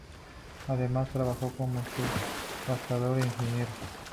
Además trabajó como subastador e ingeniero.